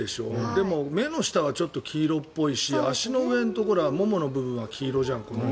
でも目の下はちょっと黄色いっぽいし足、ももの部分は黄色じゃん。